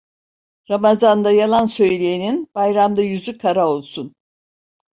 Ramazanda yalan söyleyenin bayramda yüzü kara olsun.